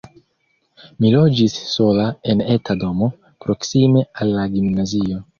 Mi loĝis sola en eta domo, proksime al la gimnazio.